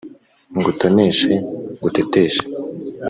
Ngutoneshe nguteteshe